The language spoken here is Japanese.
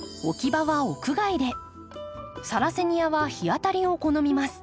サラセニアは日当たりを好みます。